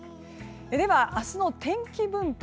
では、明日の天気分布